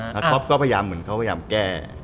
และก็พยายามแก้